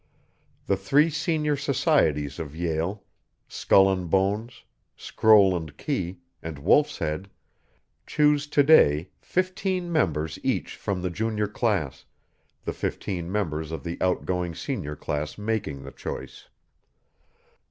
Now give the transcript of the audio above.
The three senior societies of Yale, Skull and Bones, Scroll and Key, and Wolf's Head, choose to day fifteen members each from the junior class, the fifteen members of the outgoing senior class making the choice.